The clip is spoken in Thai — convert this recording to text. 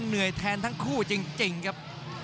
เหนื่อยแทนทั้งคู่จริงครับ